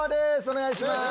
お願いします。